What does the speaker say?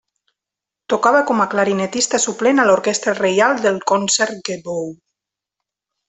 Tocava com a clarinetista suplent a l'Orquestra Reial del Concertgebouw.